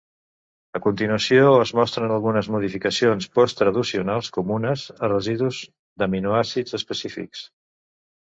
A continuació, es mostren algunes modificacions postraducionals comunes a residus d'aminoàcids específics.